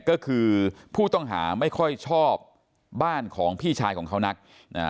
ก็คือผู้ต้องหาไม่ค่อยชอบบ้านของพี่ชายของเขานักอ่า